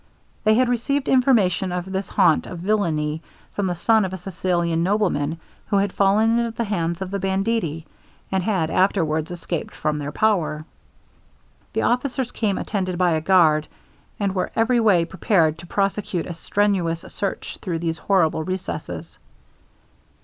They had received information of this haunt of villainy from the son of a Sicilian nobleman, who had fallen into the hands of the banditti, and had afterwards escaped from their power. The officers came attended by a guard, and were every way prepared to prosecute a strenuous search through these horrible recesses.